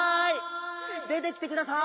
出てきてください！